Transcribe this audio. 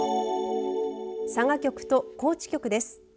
佐賀局と高知局です。